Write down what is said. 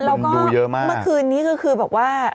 แล้วก็เมื่อคืนนี้คือแบบว่า